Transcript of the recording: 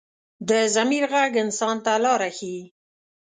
د ضمیر غږ انسان ته لاره ښيي